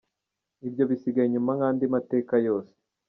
Ibyo bisigaye inyuma nk’andi mateka yose.